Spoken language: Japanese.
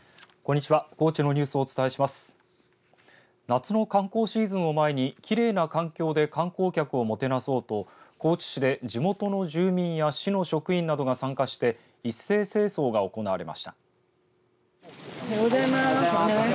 夏の観光シーズンを前にきれいな環境で観光客をもてなそうと高知市で地元の住民や市の職員などが参加して一斉清掃が行われました。